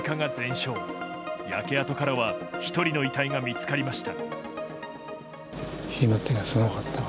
焼け跡からは１人の遺体が見つかりました。